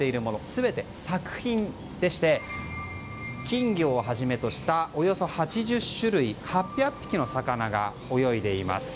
全て作品でして金魚をはじめとしたおよそ８０種類、８００匹の魚が泳いでいます。